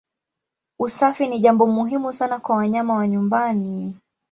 Usafi ni jambo muhimu sana kwa wanyama wa nyumbani.